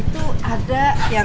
itu ada yang